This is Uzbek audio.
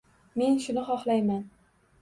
Men shuni xohlayman